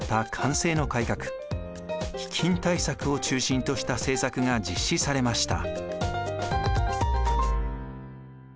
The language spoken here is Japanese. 飢饉対策を中心とした政策が実施されました。